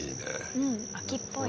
うん秋っぽい。